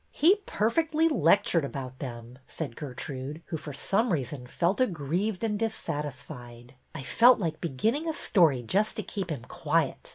'' He perfectly lectured about them," said Ger trude, who, for some reason, felt aggrieved and dissatisfied. " I felt like beginning a story just to keep him quiet.